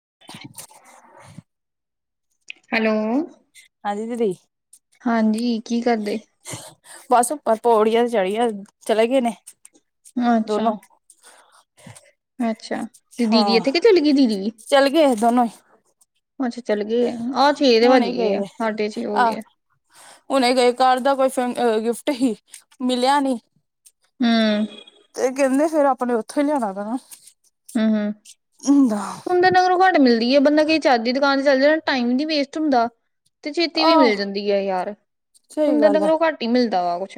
[unintelligible] Hello, ਹਾਂਜੀ ਦੀਦੀ ਹਾਂਜੀ ਕੀ ਕਰਦੇ ਬਸ ਉਪਰ ਪੌੜੀਆਂ ਤੇ ਚੜੀ ਏ ਚਲੇ ਗਏ ਨੇ। ਅੱਛਾ, ਦੋਨੋ ਅੱਛਾ ਤੇ ਦੀਦੀ ਇੱਥੇ ਕਿ ਚੱਲ ਗਈ ਦੀਦੀ ਵੀ। ਦੋਨੋਂਂ ਅੱਛਾ ਚੱਲ ਗਏ ਆ ਆਹ ਛੇ ਵੱਜ ਗਏ ਆ, ਸਾਢੇ ਛੇ ਹੋ ਆਹ ਗਏ ਆ। ਓਈ ਗਿਫਟ ਹੀ ਮਿਲਿਆ ਨਹੀਂ। ਹੂੰ। ਤੇ ਕਹਿੰਦੇ ਫਿਰ ਆਪਣੇ ਉੱਥੋਂ ਹੀ ਲਿਆਣਾ ਪੈਣਾ। ਹੂੰ, ਹੂੰ, ਹੁੰਦਾ ਕੁੰਦਨ ਇਧਰੋਂ ਘੱਟ ਮਿਲਦੀ ਹੈ, ਬੰਦਾ ਕਿਸੇ ਚੱਜ ਦੀ ਦੁਕਾਨ ਚਲਜੇ ਟਾਈਮ ਨਈ ਵੇਸਟ ਹੁੰਦਾ। ਤੇ ਛੇਤੀ ਵੀ ਆਹੋ ਮਿਲ ਜਾਂਦੀ ਹੈ ਯਾਰ, ਸਹੀ ਕੁੰਦਨ ਗੱਲ ਹੈ ਇਧਰੋਂ ਘੱਟ ਹੀ ਮਿਲਦਾ ਵਾ ਕੁਛ।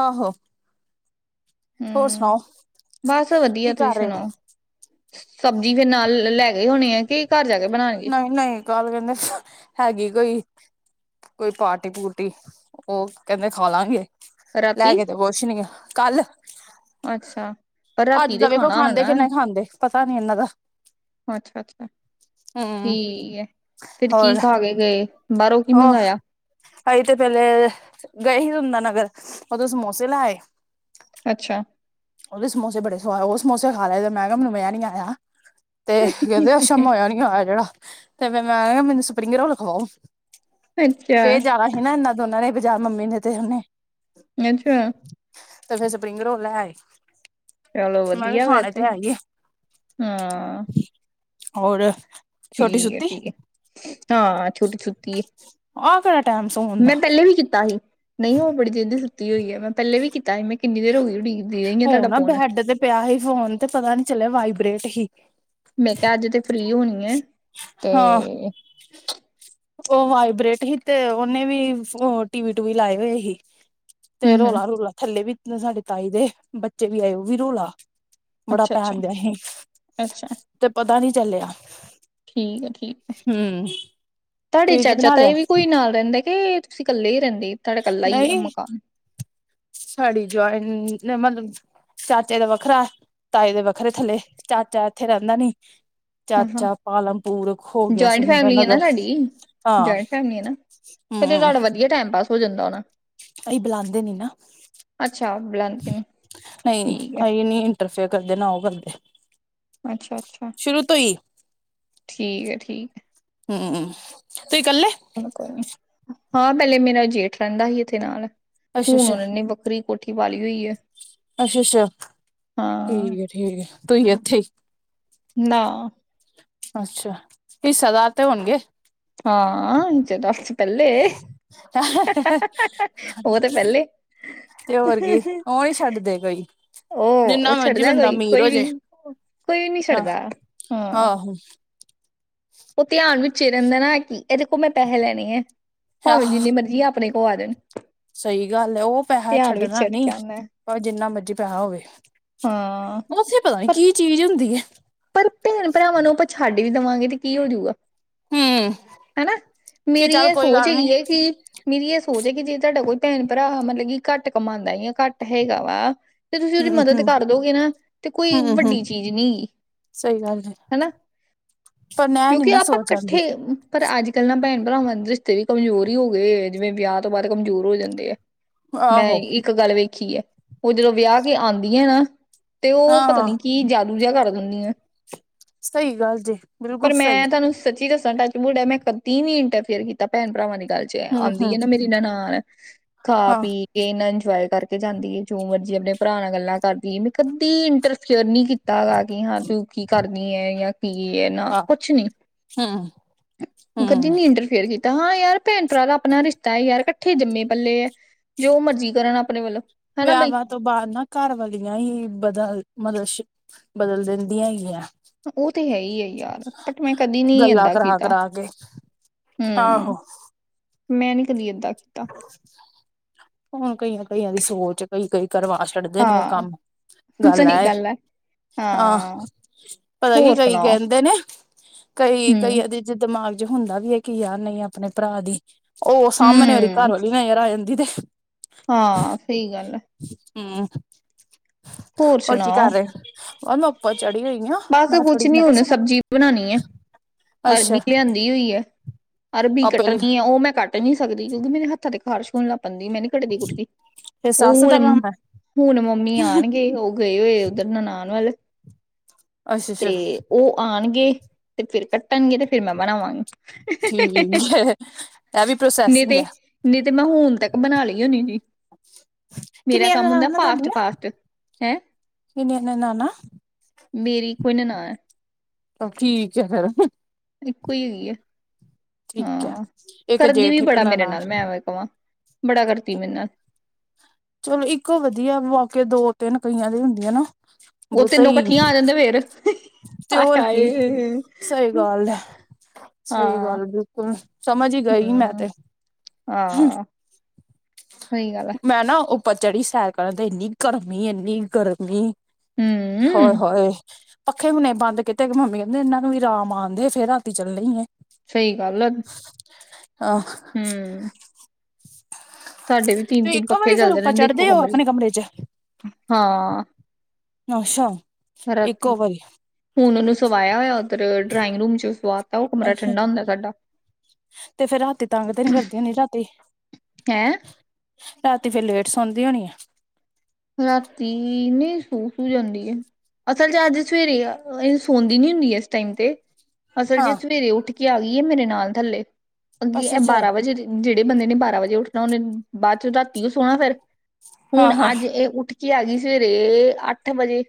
ਆਹੋ ਹੋਰ ਹੂੰ, ਸੁਣਾਓ ਬਸ ਵਧੀਆ ਕੀ ਤੁਸੀਂ ਕਰ ਰਹੇ ਹੋ ਸੁਣਾਓ, ਸਬਜ਼ੀ ਫਿਰ ਨਾਲ ਲੈ ਇਹ ਹੋਣੀ ਹੈ ਕਿ- ਘਰ ਜਾ ਕੇ ਬਣਾਉਣਗੇ ਨਹੀਂ-ਨਹੀਂ ਕਲ ਨੀ ਕਹਿੰਦੇ ਹੈਗੀ ਕੋਈ- ਕੋਈ ਪਾਰਟੀ ਪੁਰਟੀ ਉਹ ਕਹਿੰਦੇ ਖਾਲਾਂਗੇ। ਲੈ ਰਾਤੀ ਕੇ ਤੇ ਕੁਛ ਨੀ ਗਏ ਕੱਲ ਅੱਛਾ ਪਰ ਰਾਤੀ ਅੱਜ ਤੇ ਤਾਂ ਵੇਖੋ ਖਾਣਾ ਹੋਣਾ ਖਾਂਦੇ ਨਾ ਕਿ ਨਹੀਂ ਖਾਂਦੇ, ਪਤਾ ਨੀ ਇਹਨਾਂ ਦਾ। ਅੱਛਾ ਅੱਛਾ ਹਮ ਠੀਕ ਹੈ, ਫਿਰ ਹੋਰ ਕੀ ਖਾ ਕੇ ਗਏ। ਬਾਹਰੋਂ ਕੀ ਉਹ ਮੰਗਾਇਆ ਆਈ ਤੇ ਪਹਿਲੇ ਗਈ ਹੁਣ ਆ। ਫਿਰ ਉਦੋਂ ਸਮੋਸੇ ਲੈ ਆਏ। ਅੱਛਾ ਉਹਦੇ ਸਮੋਸੇ ਬੜੇ ਸੁਆਦ। ਉਹ ਸਮੋਸੇ ਖਾ ਲਏ, ਮੈਂ ਕਿਹਾ ਮੈਨੂੰ [unintelligible] ਨਹੀਂ ਅ ਖਾਣੇ। ਤੇ ਕਹਿੰਦੇ ਅੱਛਾ, ਮੈਂ ਨਹੀਂ ਖਾਣੇ ਜਿਹੜਾ। ਤੇ ਫਿਰ ਮੈਂ ਕਿਹਾ ਮੈਨੂੰ ਸਪਰਿੰਗ ਰੌਲ ਖਵਾਉ। ਅੱਛਾ ਫਿਰ ਜਾਣਾ ਸੀ ਨਾ, ਇਨਾ ਦੋਨਾਂ ਨੇ। ਬਜਾਰ ਮੰਮੀ ਨੇ ਤੇ ਉਹਨੇ। ਅੱਛਾ। ਤੇ ਫਿਰ ਸਪਰਿੰਗ ਰੋਲ ਲੈ ਆਏ। ਚਲੋ ਮੈਂ ਕਿਹਾ ਵਧੀਆ ਹੋਇਆ ਇਹ ਖਾਣੇ ਤੇ ਹੈ ਹੀ ਏ ਹਾਂ। ਹੋਰ ਛੋਟੀ ਠੀਕ ਹੈ, ਸੁੱਤੀ ਠੀਕ ਹੈ, ਹਾਂ। ਛੋਟੀ ਸੁੱਤੀ ਹੈ। ਆਹ ਕਿਹੜਾ ਟਾਈਮ ਸੌਣ ਦਾ ਮੈਂ ਪਹਿਲੇ ਵੀ ਕੀਤਾ ਸੀ ਨਹੀਂ ਉਹ ਬੜੀ ਦੇਰ ਦੀ ਸੁੱਤੀ- ਸੁੱਤੀ ਹੋਈ ਹੈ। ਮੈਂ ਪਹਿਲੇ ਵੀ ਕੀਤਾ ਸੀ। ਮੈਂ ਕਿੰਨੀ ਦੇਰ ਹੋ ਗਈ ਉੱਠ ਗਈ ਹੋਣੀ ਆ। ਉਹ ਨਾ ਬੈਡ ਤੇ ਪਿਆ ਸੀ ਫੋਨ ਤੇ ਪਤਾ ਨੀ ਚੱਲਿਆ ਵਾਈ- -ਬਰੇਟ ਹੀ। ਮੈਂ ਕਿਹਾ ਅੱਜ ਤੇ ਫਰੀ ਹੋਣੀ ਐ। ਤੇ ਹਾਂ ਉਹ ਵਾਈਬ੍ਰੇਟ ਸੀ ਤੇ ਉਹਓਹਨੇ ਵੀ ਟੀਵੀ ਟੂਵੀ ਲਾਏ ਹੋਏ ਸੀ ਤੇ ਹਮ ਹਮ ਰੋਲਾ-ਰੁਲਾ ਥੱਲੇ ਵੀ ਸਾਡੇ ਤਾਈ ਦੇ ਬੱਚੇ ਵੀ ਆਏ ਉਹ ਵੀ ਰੋਲਾ ਬੜਾ ਅੱਛਾ ਅੱਛਾ ਪੈਨ ਦਿਆ ਸੀ ਅੱਛਾ ਤੇ ਪਤਾ ਨੀ ਚੱਲਿਆ ਠੀਕ ਆ ਠੀਕ ਆ ਹੂੰ ਤੁਹਾਡੇ ਤੁਸੀਂ ਕੀ ਚਾਚਾ ਬਣਾ ਲਿਆ ਤਾਈ ਵੀ ਕੋਈ ਨਾਲ ਰਹਿੰਦਾ ਮੈ ਕਿਹੈ ਤੁਸੀਂ ਇਕੱਲੇ ਰਹਿੰਦੇ ਤੁਹਾਡਾ ਇਕੱਲਾ ਹੀ ਆ ਨਹੀਂ ਮਕਾਨ ਸਾਡੀ ਜੁਆਇਨ ਮਤਲਬ ਚਾਚੇ ਦਾ ਵੱਖਰਾ ਤਾਏ ਦੇ ਵੱਖਰੇ ਥੱਲੇ ਚਾਚਾ ਇੱਥੇ ਰਹਿੰਦਾ ਨੀ ਹਾਂ ਚਾਚਾ ਪਾਲਮਪੁਰ ਹੋ ਗਿਆ ਜਇੰਟ ਸੁੰਦਰ ਫੈਮਿਲੀ ਆ ਨਾ ਨਗਰ ਤੁਹਾਡੀ ਹਾਂ ਆਇੰਟ [unintelligible] ਫੈਮਲੀ ਨਾ ਫ [unintelligible] ਤੁਹਾਡਾ ਵਧੀਆ ਟਾਈਮ ਪਾਸ ਹੋ ਜਾਂਦਾ ਉਹ ਨਾ ਅਸੀ ਬੁਲਾਾਂਦੇ ਨੀ ਨਾ ਅੱਛਾ ਬੁਲਾਉਂਦੇ ਨੇ ਨਹੀਂ ਠੀਕ ਹੈ ਅਹੀ ਨੀ ਇੰਟਰਫੇਅਰ ਕਰਦੇ ਨਾ ਉਹ ਕਰਦੇ ਅੱਛਾ ਅੱਛਾ ਸ਼ੁਰੂ ਤੋਂ ਹੀ ਠੀਕ ਹੈ ਠੀਕ ਹੈ ਹਮਮ ਚਲੋ ਕੋਈ ਨੀ ਹਾਂ ਪਹਿਲੇ ਮੇਰਾ ਜੇਠ ਰਹਿੰਦਾ ਸੀ। ਇਥੇ ਨਾਲ ਅੱਛਾ ਹੁਣ ਅੱਛਾ ਉਹਨਾਂ ਨੇ ਵੱਖਰੀ ਕੋਠੀ ਪਾਲੀ ਹੋਈ ਹੈ। ਅੱਛਾ ਅੱਛਾ ਹਾਂ ਤੂੰ ਇੱਥੇ ਨਾ ਅੱਛਾ ਹਿੱਸੇਦਾਰ ਤੇ ਹੋਣਗੇ ਹਾਂ ਹਿੱਸੇਦਾਰ ਪਹਿਲੇ ਉਹ ਤੇ ਪਹਿਲੇ ਤੇ ਹੋਰ ਕੀ ਉਹ ਨੀ ਛੱਡਦੇ ਕੋਈ ਉਹ ਜਿੰਨਾ ਉਹ ਮਰਜੀ ਛੱਡਦਾ ਬੰਦਾ ਕੋਈ ਅਮੀਰ ਹੋ ਕੋਈ ਜੇ ਵੀ ਕੋਈ ਵੀ ਨੀ ਛੱਡਦਾ ਆਹ ਹਾਂ ਆਹੋ ਉਹ ਧਿਆਨ ਵਿਚ ਰੇਹਣ ਦਾ ਨਾ ਕਿ ਇਹਦੇ ਕੋਲ ਮੈਂ ਪੈਸੇ ਲੈਣੇ ਹੈ। ਭਾਵੇਂ ਆਹੋ ਜਿੰਨੀ ਮਰਜ਼ਜੀ ਆਪ ਆਪਣੇ ਕੋ ਆ ਜਾਣ ਸਹੀ ਗੱਲ ਹੈ। ਉਹ ਪੈਸਾ ਧਿਆਨ ਵਿੱਚ ਛੱਡਣਾ ਛੱਡ ਨੀ ਕੇ ਆਉਂਦਾ ਹੈ ਪਰ ਜਿੰਨਾ ਮਰਜੀ ਪੈਸਾ ਹੋਵੇ ਹਾਂ ਉਥੇ ਪਤਾ ਨੀ ਪਰ ਕੀ ਚੀਜ਼ ਹੁੰਦੀ। ਤੀ ਪਰ ਭੈਣ ਭਰਾਵਾਂ ਨੂੰ ਆਪਾ ਛਾ ਵੀ ਦੇਵਾਂਗੇ ਤੇ ਕੀ ਹੋਜੂਗਾ ਹਮ ਹਨਾ ਕਿ ਮੇਰੀ ਚੱਲ ਇਹ ਕੋਈ ਸੋਚ ਗੱਲ ਹੈਗੀ ਨੀ ਹੈ ਕਿ ਮੇਰੀ ਇਹ ਸੋਚ ਹੈ ਕਿ ਜੇ ਤੁਹਾਡਾ ਕੋਈ ਭੈਣ ਭਰਾ ਮਤਲਬ ਕਿ ਘੱਟ ਕਮਾਦਾ ਘੱਟ ਹੈਗਾ ਵਾ ਤੇ ਤੁਸੀਂ ਉਹਦੀ ਹਮ ਮਦਦ ਹਮ ਕਰ ਦੋਗੇ ਨਾ ਤੇ ਕੋਈ ਹਮ ਹਮ ਵੱਡੀ ਚੀਜ਼ ਨੀ ਸਹੀ ਗੱਲ ਐ ਪਰ ਮੈਂ ਨੀ ਕਿਉਂਕਿ ਨਾ ਆਪਾਂ ਸੋਚ ਇਕੱਠੇ ਆਂਦੀ ਪਰ ਅੱਜ ਕੱਲ੍ਹ ਨਾ ਭੈਣ ਭਰਾਵਾਂ ਦੇ ਰਿਸ਼ਤੇ ਵੀ ਕਮਜ਼ੋਰ ਹੀ ਹੋ ਗਏ ਜਿਵੇਂ ਵਿਆਹ ਤੋਂ ਬਾਅਦ ਕਮਜ਼ੋਰ ਹੋ ਜਾਂਦੇ ਆ। ਮੈਂ ਆਹੋ ਇੱਕ ਗੱਲ ਵੇਖੀ ਹੈ। ਉਹ ਜਦੋਂ ਵਿਆਹ ਕੇ ਆਦੀਆਂ ਨਾ। ਤੇ ਉਹ ਪਤਾ ਹਾਂ ਨੀ ਕੀ ਜਾਦੂ ਜਿਹਾ ਕਰ [unintelligible] ਸਹੀ ਗੱਲ ਜੇ ਬਿਲਕੁਲ ਪਰ ਸਹੀ ਮੈਂ ਤੁਹਾਨੂੰ ਸੱਚੀ ਦੱਸਾਂ ਟੱਚ ਬੁਡ ਐ ਮੈਂ ਕਦੀ ਨੀ ਇੰਟਰਫੇਅਰ ਕੀਤਾ ਭੈਣ ਭਰਾਵਾਂ ਨੇ ਗੱਲ ਚ ਹਮ ਆਦੀ ਹਮ ਹੈ ਨਾ ਮੇਰੀ ਨਨਾਣ ਖਾ ਹਾਂ ਪੀ ਕੇ ਇਨਾ ਇੰਜੋਏ ਕਰਕੇ ਜਾਂਦੀ ਹੈ ਜੋ ਮਰਜ਼ੀ ਆਪਣੇ ਭਰਾ ਨਾਲ ਗੱਲਾਂ ਕਰਦੀ ਹੈ ਮੈਂ ਕਦੀ ਇੰਟਰਫੇਅਰ ਨੀ ਕੀਤੀ। ਤਾ ਗਾ ਕਿ ਹਾਂ, ਤੂੰ ਕੀ ਕਰਨੀ ਹੈ ਜਾਂ ਕੀ ਹੈ ਨਾ ਹਾਂ ਕੁਛ ਨੀ ਹਮ ਗਦੀ ਹਮ ਨੀ ਇੰਟਰਫੇਅਰ ਕੀਤਾ। ਤਾਂ ਹਾਂ ਯਾਰ ਭੈਣ ਭਰਾ ਦਾ ਆਪਣਾ ਰਿਸ਼ਤਾ ਹੈ ਯਾਰ ਇਕੱਠੇ ਜੰਮੇ ਪੱਲੇ ਹੈ ਜੋ ਮਰਜ਼ੀ ਕਰਨ ਆਪਣੇ ਵੱਲੋਂ ਹਨਾ ਬਈ ਵਿਆਹਾਂ ਤੋਂ ਬਾਅਦ ਨਾ ਘਰ ਵਾਲੀਆਂ ਹੀ ਬਦਲ ਮਲ ਬਦਲ ਦਿੰਦੀਆਂ ਹੈਗੀਆਂ। ਉਹ ਤੇ ਹੈ ਹੀ ਹੈ ਯਾਰ ਬਟ ਮੈਂ ਕਦੀ ਨਹੀਂ ਗੱਲਾਂ ਏਦਾਂ ਕਰਾ ਕੀਤਾ ਕਰਾ ਕੇ ਆਹੋ ਹੂੰ, ਮੈਂ ਨੀ ਕਦੀ ਇੱਦਾਂ ਕੀਤਾ। ਹੁਣ ਕਈਆਂ ਕਈਆਂ ਦੀ ਸੋਚ ਕਈ ਕਈ ਕਰਵਾ ਛੱਡਦੇ ਨੇ ਹਾਂ ਕੰਮ ਗੱਲ ਸਹੀ ਐ ਹੈ ਹਾਂ ਪਤਾ ਕੀ ਹੋਰ ਕਈ ਸੁਣਾਓ ਕਹਿੰਦੇ ਨੇ ਕਈ ਹੂੰ ਕਈਆਂ ਦੇ ਜ ਦਿਮਾਗ ਹੁੰਦਾ ਵੀ ਹੈ ਕਿ ਯਾਰ ਨਹੀਂ ਆਪਣੇ ਭਰਾ ਦੀ ਉਹ ਸਾਮਨੇ ਆਲੀ, ਘਰ ਹੂੰ ਆਲੀ ਮੈਂ ਯਾਰ ਆ ਦੀ ਦੇ ਹਾਂ ਸਹੀ ਗੱਲ ਹੈ। ਹੂੰ, ਹੋਰ ਸੁਣਾ ਉਹ ਮੈਂ ਉੱਪਰ ਚੜੀ ਹੋਈ ਆ ਬਸ ਮੈਂ ਥੋੜੀ ਕੁਛ ਨੀ ਮੈਂ ਹੁਣ ਕਿਹਾ ਸਬਜ਼ੀ ਬਣਾਉਣੀ ਹੈ। ਅਰਬੀ ਅੱਛਾ ਲਿਆਂਦੀ ਹੋਈ ਹੈ। ਅਰਬੀ ਆਪੇ ਕੱਟਣੀ ਹੈ। ਉਹ ਮੈਂ ਕੱਟ ਨਹੀ ਕਰ ਸਕਦੀ ਕਿਉਂਕਿ ਮੇਰੇ ਹੱਥਾ ਤੇ ਖਾਰਸ ਹੋਣ ਲੱਗ ਪੈਂਦੀ ਹੈ । ਮੈ ਨਹੀ ਕੱਟਦੀ ਕੁੱਟਦੀ ਇਹ ਸੱਸ ਉਹ ਦਾ ਕੰਮ ਹੁਣ ਹੈ ਹੁਣ ਮੰਮੀ ਆ ਗਏ ਉਹ ਗਏ ਹੋਏ ਉੱਧਰ ਨਨਾਣ ਵੱਲ ਅੱਛਾ ਤੇ ਅੱਛਾ ਉਹ ਆਉਣਗੇ ਤੇ ਫਿਰ ਕੱਟਣਗੇ ਤੇ ਫਿਰ ਮੈਂ ਠੀਕ ਬਣਾਵਾਂਗੀ ਹੈ ਇਹ ਵੀ ਨਹੀ ਪ੍ਰੋਸੈਸਿੰਗ ਤੇ ਹੈ ਨਹੀ ਤੇ ਮੈਂ ਹੁਣ ਤੱਕ ਬਣਾ ਲਈ ਹੋਨੀ ਸੀ ਮੇਰਾ ਕਿੰਨੀਆਂ ਕੰਮ ਹੁੰਦਾ ਨਨਾਣਾ ਫਾਸਟ ਤੁਹਾਡੀਆਂ -ਫਾਸਟ ਹੈਂ ਕਿੰਨੀਆਂ ਨਨਾਣ ਮੇਰੀ ਇੱਕੋ ਹੀ ਨਨਾਣ ਹੈ। ਠੀਕ ਆ ਫਿਰ ਇੱਕੋ ਹੀ ਹੈਗੀ ਆ ਠੀਕ ਹੈ। ਇੱਕ ਜੇਠਕ ਇੱਕ ਬੜਾ ਮੇਰੇ ਨਾਲ ਨਨਾਣ ਮੈਂ ਐਵੇਂ ਕਵਾਂ ਬੜਾ ਕਰਤੀ ਮੇਰੇ ਨਾਲ ਚਲੋ ਇੱਕੋ ਵਧੀਆ ਵਾਕੇ ਦੋ ਤਿੰਨ ਕਈਆਂ ਦੀ ਹੁੰਦੀਆਂ ਨਾ ਉਹ ਬਹੁਤਾ ਤਿੰਨੋ ਹੀ ਇਕੱਠੀਆਂ ਆ ਜਾਂਦੇ ਫੇਰ ਤੇ ਹਾਏ ਹੋਰ ਕੀ ਹਾਏ ਸਹੀ ਗੱਲ ਹੈ। ਸਹੀ ਹਾਂ ਗੱਲ ਬਿਲਕੁਲ ਸਮਝ ਹੀ ਗਈ ਮੈਂ ਹਮ ਤੇ ਹਾਂ ਸਹੀ ਗੱਲ ਹੈ ਮੈਂ ਨਾ ਉਹ- ਪਰ ਚੜੀ ਸੈਰ ਕਰਨ ਤੇ ਇੰਨੀ ਗਰਮੀ ਇੰਨੀ ਗਰਮੀ ਹਮ ਹਾਏ-ਹਾਏ ਪੱਖੇ ਹੁਣੇ ਬੰਦ ਕੀਤੇ ਕਿ ਮੰਮੀ ਕਹਿੰਦੇ ਇਨਾ ਕੁ ਵੀ ਆਰਾਮ ਆਉਦੇ ਫੇ ਰਾਤੀ ਚੱਲੇ ਏ ਸਹੀ ਗੱਲ ਆ। ਹਾਂ। ਹੂੰ। ਤੇ ਇੱਕੋ ਪੱਖੇ ਵਾਰੀ ਫੇਰ ਚੱਲਦੇ ਉਪਰ ਰਹਿੰਦੇ ਇੱਕੋ ਚੜ੍ਹਦੇ ਹੋ ਆਪਣੇ ਕਮਰੇ ਚ' ਹਾਂ। ਅੱਛਾ ਰਾਤੀ, ਇੱਕੋ ਵਾਰੀ ਹੁਣ ਉਹਨੂੰ ਸਵਾਇਆ ਹੋਇਆ ਉਧਰ ਡਰਾਇੰਗ ਰੂਮ ਚ' ਸਵਾ ਤਾਂ ਉਹ ਕਮਰਾ ਅੱਛਾ ਠੰਡਾ ਹੁੰਦਾ ਸਾਡਾ ਤੇ ਫੇਰ ਰਾਤੀ ਤੰਗ ਤੇ ਨੀ ਕਰਦੀ ਹਦੀ ਰਾਤੀ- ਹੈਂ। ਰਾਤੀ ਫੇਰ ਲੇਟ ਸੌਦੀ ਹੋਣੀ ਆ। ਰਾਤੀ ਨੀ ਸੋ ਸੂ ਜਾਂਦੀ ਹੈ। ਅਸਲ ਚ ਅੱਜ ਸਵੇਰੇ ਸੋਦੀ ਨੀ ਹੁੰਦੀ ਇਸ ਟਾਈਮ ਤੇ। ਅਸਲ ਜੇ ਹਾਂ ਸਵੇਰੇ ਉੱਠ ਕੇ ਆ ਗਈ ਮੇਰੇ ਨਾਲ ਥੱਲੇ ਅਗੇ ਅੱਛਾ ਇਹ ਅੱਛਾ ਬਾਰਾਂ ਵਜੇ ਜਿਹੜੀ ਬੰਦੇ ਨੇ ਬਾਰਾਂ ਵਜੇ ਉੱਠਣਾ ਉਹਨੇ ਬਾਅਦ ਚੋ ਰਾਤੀਓ ਸੋਹਣਾ ਫਿਰ। ਹਾਂ ਹੁਣ ਹਾਂ ਅੱਜ ਉੱਠ ਕੇ ਆ ਗਈ ਸਵੇਰੇ ਅੱਠ ਵਜੇ।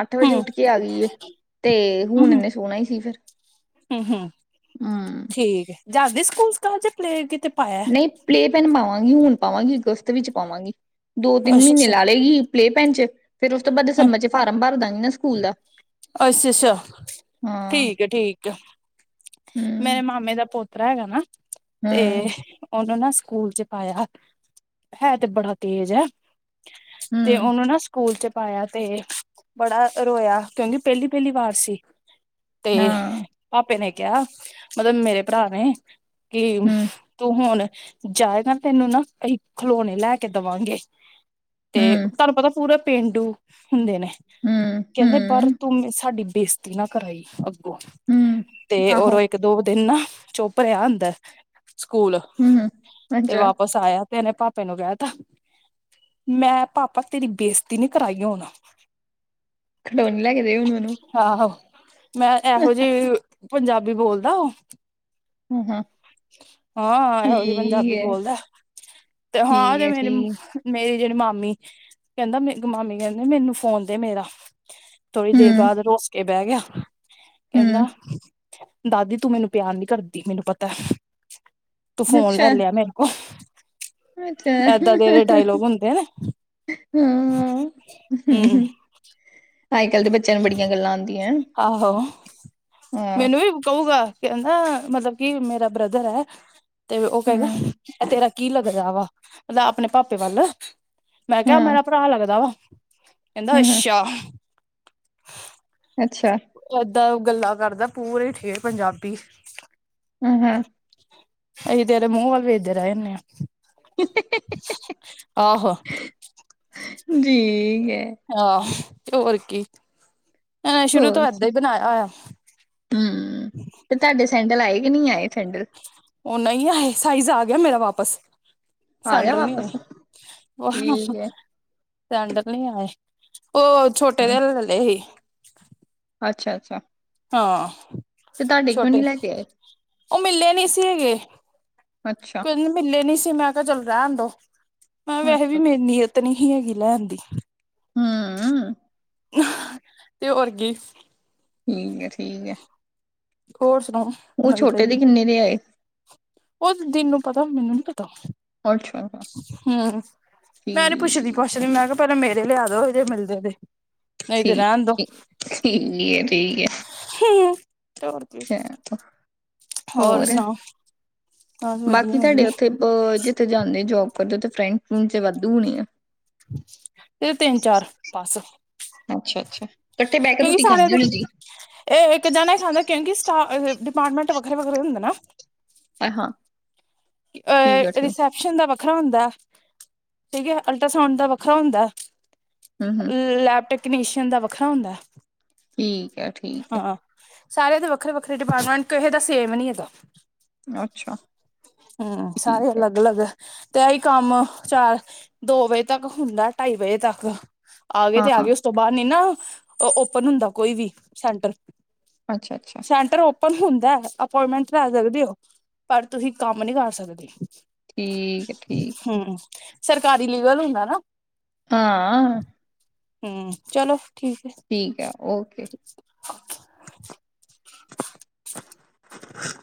ਅੱਠ ਵਜੇ ਹੂੰ ਉੱਠ ਕੇ ਆ ਗਈ ਤੇ ਹੁਣ ਹੂੰ ਇਨੇ ਸੋਣਾ ਹੀ ਸੀ ਫਿਰ ਹੂੰ ਹੂੰ ਹੂੰ । ਠੀਕ ਹੈ ਜਾਂਦੀ ਸਕੂਲ- ਸਕਾਲ ਚ ਪਲੇ ਕਿਤੇ? ਪਾਇਆ ਨਹੀਂ ਪਲੇ ਪੈਨ ਪਾਵਾਂ। ਪਾਵਾਂਗੀ, ਹੁਣ ਪਾਵਾਂਗੀ ਅਗਸਤ ਵਿੱਚ ਪਾਵਾਂਗੀ। ਦੋ-ਤਿੰਨ ਅੱਛਾ ਮਹੀਨੇ ਅੱਛਾ ਲਾ ਲਏਗੀ ਪਲੇਅ ਪੈਨ ਚ ਫੇਿਰ ਉਸ ਤੋਂ ਬਾਅਦ ਦਿਸੰਬਰ ਚ ਫਾਰਮ ਭਰਦਾਗੀਂ। ਅੱਛਾ-ਅੱਛਾ, ਹਾਂ ਠੀਕ ਹੈ- ਠੀਕ ਮੇਰੇ ਹਮ ਮਾਮੇ ਦਾ ਪ ਹੈਗਾ ਨਾ। ਤੇ ਹਮ ਉਹ। ਨਾ ਸਕੂਲ ਚ ਪਾਇਆ ਹੈ, ਤੇ ਬੜਾ ਤੇਜ਼ ਹੈ। ਤੇ ਹਮ ਉਹਨੂੰ ਨਾ ਸਕੂਲ ਚ ਪਾਇਆ ਤੇ ਬੜਾ ਰੋਇਆ ਕਿਉਂਕਿ ਪਹਿਲੀ-ਪਹਿਲੀ ਵਾਰ ਸੀ। ਤੇ ਹਾਂ ਭਾਪੇ ਨੇ ਕਿਹਾ ਮਤਲਬ ਮੇਰੇ ਭਰਾ ਨੇ ਕਿ ਹਮ ਤੂੰ ਹੁਣ ਜਾਏਗਾ ਤੈਨੂੰ ਨਾ ਕਈ ਖਿਲੋਣੇ ਲੈ ਕੇ ਦੇਵਾਂਗੇ। ਤੇ ਹਮ ਤੁਹਾਨੂੰ ਪਤਾ ਪੂਰਾ ਪੇਂਡੂ ਹੁੰਦੇ ਨੇ ਹਮ ਕਹਿੰਦੇ ਪਰ ਹਮ ਤੂੰ ਸਾਡੀ ਬੇਇਜਤੀ ਨਾ ਕਰਾਈ। ਹਮ ਤੇ ਆਹੋ ਓਦੋਂ ਇੱਕ ਦੋ ਦਿਨ ਨਾ ਚੁੱਪ ਰਿਹਾ ਅੰਦਰ। ਸਕੂਲ ਤੇ ਵਾਪਸ ਆਇਆ ਤੇ ਇਹਨੇ ਪਾਪਾ ਤੈਨੂੰ ਕਹਿ ਤਾ ਮੈਂ ਪਾਪਾ ਤੇਰੀ ਬੇਸਤੀ ਨੀ ਕਰਾਈ ਹੁਣ। ਖਿਡੋਣੇ ਲੈ ਕੇ ਦਿਓ ਹਣ ਮੈਨੂੰ। ਹਾਂ। ਮੈਂ ਇਹੋ ਜਿਹੇ ਪੰਜਾਬੀ ਬੋਲਦਾ ਉਹ। ਹਮ-ਹਮ। ਹਾਂ ਇਹੋ ਜਿਹੀ ਪੰਜਾਬੀ ਬੋਲਦਾ ਤੇ ਹਾਂ ਤੇ ਮੇਰੀ-ਮੇਰੀ। ਜਿਹੜੀ ਮਾਮੀ ਕਹਿੰਦਾ ਮੈਨੂੰ ਮਾਮੀ ਕਹਿੰਦੇ ਮੈਨੂੰ ਫੋਨ ਦੇ ਮੇਰਾ। ਥੋੜ੍ਹੀ ਦੇਰ ਬਾਅਦ ਰੁੱਸ ਕੇ ਬਹਿ ਗਿਆ। ਕਹਿੰਦਾ ਦਾਦੀ ਤੂੰ ਮੈਨੂੰ ਪਿਆਰ ਨੀ ਕਰਦੀ ਮੈਨੂੰ ਪਤਾ। ਤੂੰ ਫੋਨ ਲੈ ਲਿਆ ਮੇਰੇ ਕੋਲ। ਅੱਛਾ ਏਦਾਂ ਦੇ ਜਿਹੜੇ ਡਾਇਲੋਗ ਹੁੰਦੇ ਨੇ ਹਮ। ਹਮ ਅੱਜ ਕੱਲ ਦੇ ਬੱਚਿਆਂ ਨੂੰ ਬੜੀਆਂ ਗੱਲਾਂ ਆਉਂਦੀਆਂ। ਆਹੋ ਹਾਂ ਮੈਨੂੰ ਵੀ ਕਹੂਗਾ। ਕਹਿੰਦਾ ਮਤਲਬ ਕਿ ਮੇਰਾ ਬਰਦਰ ਹੈ। ਤੇ ਉਹ ਕਹੇਗਾ ਹਾਂ ਇਹ ਤੇਰਾ। ਕੀ ਲੱਗਦਾ ਵਾ ਮਤਲਬ ਆਪਣੇ ਪਾਪੇ ਵੱਲ। ਮੈਂ ਕਿਹਾ ਹਾਂ ਮੇਰਾ ਭਰਾ ਲੱਗਦਾ ਵਾ। ਕਹਿੰਦਾ ਹਾਂ ਅੱਛਾ। ਅੱਛਾ। ਜਿੰਦਾ ਗੱਲਾਂ ਕਰਦਾ ਪੂਰੇ ਠੇਠ ਪੰਜਾਬੀ। ਹੂੰ-ਹੂੰ। ਅਸੀਂ ਤੇਰੇ ਮੂੰਹ ਵੱਲ ਵੇਖਦੇ ਰਹਿ ਜਾਂਨੇ ਆ। ਆਹੋ। ਜੀ ਹੈ। ਆਹ ਹੋਰ ਕੀ। ਇਹਨਾਂ ਨੇ ਸ਼ੁਰੂ ਹੋਰ ਤੋਂ ਏਦਾਂ ਹੀ ਬਣਾਇਆ ਹੋਇਆ ਹੂੰ ਤੇ ਤੁਹਾਡੇ ਸੈਂਡਲ ਆਏ ਨਹੀਂ ਆਏ ਸੈਂਡਲ। ਉਹ ਨਹੀਂ ਆ ਸਾਈਜ਼ ਆ ਗਿਆ ਮੇਰਾ ਵਾਪਸ। ਆ ਗਿਆ ਸੈਂਡਲ ਨੀ ਆਏ, ਵਾਪਸ ਠੀਕ ਹੈ ਸੈਂਡਲ ਨੀ ਆਏ। ਉਹ ਛੋਟੇ ਦੇ ਲੈਲੇ ਸੀ। [unintelligible] ਅੱਛਾ-ਅੱਛਾ। ਹਾਂ। ਛੋਟੇ ਲੈ ਕੇ ਆਏ ਉਹ ਮਿਲੇ ਨਹੀਂ ਸੀ ਹੈਗੇ ਅੱਛਾ ਕੋਈ ਮਿਲੇ ਨਹੀਂ ਸੀਂ। ਮੈਂ ਕਿਹਾ ਚਲ ਰਹਿਣ ਦੋ। ਮੈਂ ਵੈਸੇ ਅੱਛਾ ਵੀ ਅੱਛਾ। ਮੇਰੀ ਨੀਅਤ ਨੀ। ਹੈਗੀ ਲੈਣ ਦੀ ਤੇ ਹੋਰ ਕੀ, ਠੀਕ ਹੈ ਠੀਕ ਹੈ। ਹੋਰ, ਸੁਣਾਓ ਉਹ ਨਵੀਂ ਛੋਟੇ ਤਾਜੀ ਦੇ ਕਿੰਨੇ ਦੇ ਆਏ। ਉਹ ਦੀ ਨੂੰ ਪਤਾ ਮੈਨੂੰ ਨੀ ਅੱਛਾ ਅੱਛਾ, ਹੂੰ, ਮੈਂ ਨੀ ਠੀਕ ਪੁੱਛਦੀ-ਪਾਛਦੀ ਮੈਂ ਕਿਹਾ ਪਰ ਮੇਰੇ ਲਿਆ ਦੋ ਇਹ ਜੇ ਮਿਲਦੇ ਉਹਦੇ ਠੀ-ਠੀਕ ਐ ਠੀਕ ਆ। ਕਿਉ ਰੋੜਤੀ ਏ। ਹੋਰ ਸੁਣਾਓ? ਬਸ ਵਧੀਆ ਬਾਕੀ ਤੁਹਾਡੇ ਵਧੀਆ ਉੱਥੇ ਜਿੱਥੇ ਜਾਂਦੇ ਜੋਬ ਦੇ ਫਰੈਂਡ ਫਰੂਡ ਵਾਧੂ ਹੋਣੀ ਆ। ਤੇ ਤਿੰਨ ਚਾਰ ਬਸ ਅੱਛਾ ਅੱਛਾ ਇਕੱਠੇ ਬਹਿ ਕੇ ਕਿਉਂਕਿ ਰੋਟੀ ਸਾਰੇ ਖਾਂਦੇ ਦੇ ਹੋਣੇ ਜੀ ਇਹ ਇੱਕ ਜਾਣਾ ਹੀ ਖਾਂਦਾ ਕਿਉਂਕਿ ਸਟਾ ਡਿਪਾਰਟਮੈਂਟ ਵੱਖਰੇ-ਵੱਖਰੇ ਹੁੰਦੇ ਨਾ, [unintelligible] ਠੀਕ ਹੈ ਅਹ ਠੀਕ ਹੈ। ਰਿਸੈਪਸ਼ਨ ਦਾ ਵੱਖ ਖਰਾ ਹੁੰਦਾ ਠੀਕ ਹੈ, ਅਲਟਰਾਸਾਊਂਡ ਦਾ ਵੱਖਰਾ ਹੁੰਦਾ। ਹੂੰ ਹੂੰ ਲੈਪਟੋ ਕਨੀਸ਼ੀਅਨ ਦਾ ਵੱਖਰਾ ਹੁੰਦਾ। ਠੀਕ ਹੈ, ਠੀਕ ਹੈ। ਸਾਰਿਆਂ ਦੇ ਵੱਖਰੇ-ਵੱਖਰੇ ਡਿਪਾਰਟਮੈਂਟ ਕਿਸੇ ਦਾ ਸੇਮ ਨੀ ਹੈਗਾ। ਅੱਛਾ ਹੂੰ, ਸਾਰੇ ਠੀਕ ਹੈ ਅਲੱਗ-ਅਲੱਗ ਤੇ ਇਹੀ ਕੰਮ ਚਾਰ ਦੋ ਵਜੇ ਤੱਕ ਹੁੰਦਾ ਢਾਈ ਵਜੇ ਤੱਕ। ਆ ਗਏ ਤੇ ਆ ਹਾਂ ਗਏ ਉਸ ਤੋਂ ਬਾਅਦ ਨੀ ਨਾ ਓਪਨ ਹੁੰਦਾ ਕੋਈ ਵੀ ਸੈਂਟਰ। ਅੱਛਾ-ਅੱਛਾ ਪਰ ਹੁੰਦਾ ਅਪੁਇੰਟਮੈਂਟ ਲੈ ਸਕਦੇ ਹੋ ਪਰ ਤੁਸੀਂ ਕੰਮ ਨੀ ਕਰ ਸਕਦੇ। ਠੀਕ ਐ, ਠੀਕ ਐ। ਹਮ ਸਰਕਾਰੀ ਲੀਗਲ ਹੁੰਦਾ ਨਾ। ਹਾਂ। ਹੂੰ ਚਲੋ। ਠੀਕ ਹੈ ਠੀਕ ਹੈ ਓਕੇ। [unintelligible] [unintelligible]